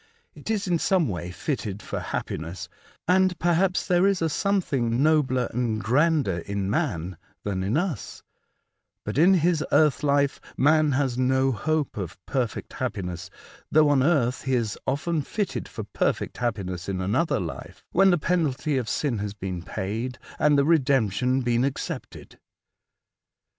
It is in some way fitted for happiness, and perhaps there is a something nobler and grander in man than in us ; but in his earth life man has no hope of perfect happiness, though on earth he is often fitted for perfect happiness in another life, when the penalty of sin has been paid, and Redemption been accepted."